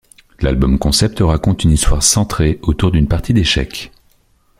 L'album-concept raconte une histoire centrée autour d'une partie d'échecs.